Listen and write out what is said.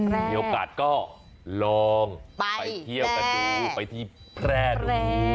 มีโอกาสก็ลองไปเที่ยวกันดูไปที่แพร่ดู